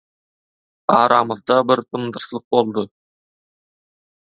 Aramyzda bir dym-dyrslyk boldy.